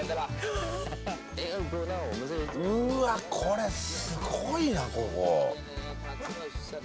うわっこれすごいなここ。